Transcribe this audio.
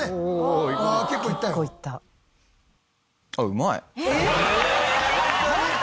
うまい。